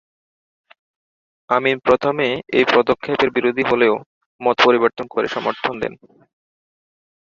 আমিন প্রথমে এই পদক্ষেপের বিরোধী হলেও মত পরিবর্তন করে সমর্থন দেন।